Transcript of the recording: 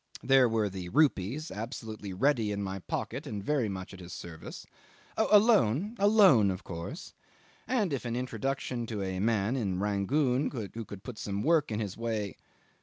There were the rupees absolutely ready in my pocket and very much at his service. Oh! a loan; a loan of course and if an introduction to a man (in Rangoon) who could put some work in his way